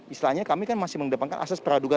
istilahnya kami kan masih mengedepankan asas peraduga